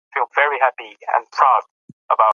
موږ باید له ټیکنالوژۍ څخه په سمه او سالمه توګه ګټه واخلو.